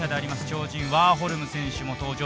超人ワーホルム選手も登場。